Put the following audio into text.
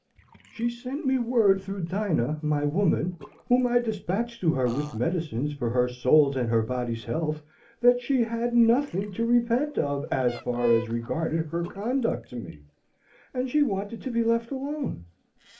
she sent me word through Dinah, my woman, whom I dispatched to her with medicines for her soul's and her body's health, that she had nothing to repent of as far as regarded her conduct to me, and she wanted to be left alone!